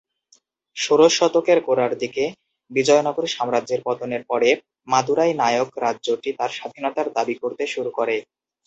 ষোড়শ শতকের গোড়ার দিকে বিজয়নগর সাম্রাজ্যের পতনের পরে, মাদুরাই নায়ক রাজ্যটি তার স্বাধীনতার দাবি করতে শুরু করে।